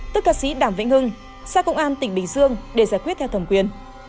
tức ca sĩ đảm vĩnh hưng xác công an tp hcm để giải quyết theo thẩm quyền